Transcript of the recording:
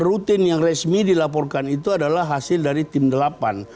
rutin yang resmi dilaporkan itu adalah hasil dari tim delapan